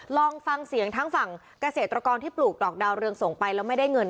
ลองฟังเสียงทั้งฝั่งเกษตรกรที่ปลูกดอกดาวเรืองส่งไปแล้วไม่ได้เงิน